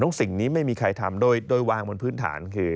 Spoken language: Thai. แล้วสิ่งนี้ไม่มีใครทำโดยวางบนพื้นฐานคือ